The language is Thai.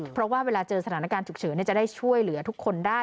เพราะว่าเวลาเจอสถานการณ์ฉุกเฉินจะได้ช่วยเหลือทุกคนได้